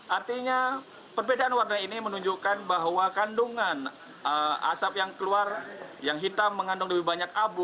artinya perbedaan warna ini menunjukkan bahwa kandungan asap yang keluar yang hitam mengandung lebih banyak abu